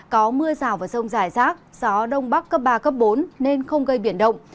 có mưa rào và rông rải rác gió đông bắc cấp ba bốn nên không gây biển động